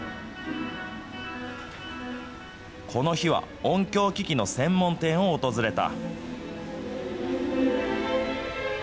この日は音響機器の専門店を訪れた。